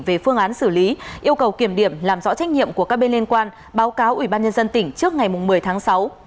về phương án xử lý yêu cầu kiểm điểm làm rõ trách nhiệm của các bên liên quan báo cáo ubnd tỉnh trước ngày một mươi tháng sáu